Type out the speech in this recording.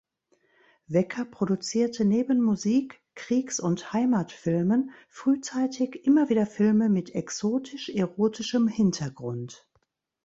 Wecker produzierte neben Musik-, Kriegs- und Heimatfilmen frühzeitig immer wieder Filme mit exotisch-erotischem Hintergrund.